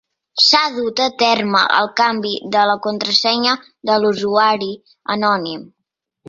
S'ha dut a terme el canvi de la contrasenya de l'usuari anònim.